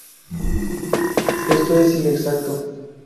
Esto es inexacto.